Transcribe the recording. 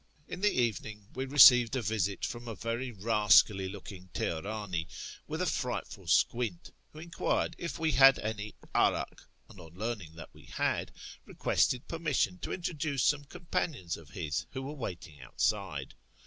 In the evening we received a visit from a very rascally looking Teherani with a frightful squint, who enquired if we had any 'arak, and, on learning that we had, requested per mission to introduce some companions of his who were waiting outside.